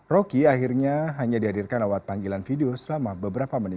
rocky akhirnya hanya dihadirkan lewat panggilan video selama beberapa menit